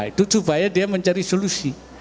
itu supaya dia mencari solusi